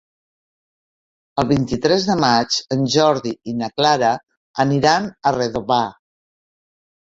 El vint-i-tres de maig en Jordi i na Clara aniran a Redovà.